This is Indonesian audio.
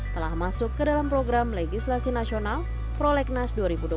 telah masuk ke dalam program legislasi nasional prolegnas dua ribu dua puluh satu